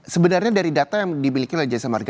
sebenarnya dari data yang dimiliki lajar samarga